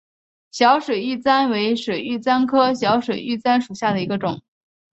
小水玉簪为水玉簪科小水玉簪属下的一个种。